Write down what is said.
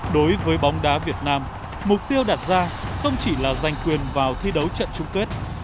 đối với bóng đá việt nam mục tiêu đặt ra không chỉ là giành quyền vào thi đấu trận chung kết